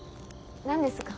何ですか？